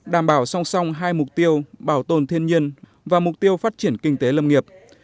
đảm bảo song song hai mục tiêu bảo tồn thiên nhiên và mục tiêu phát triển kinh tế lâm nghiệp